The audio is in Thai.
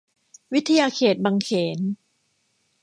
วิทยาเขตบางเขน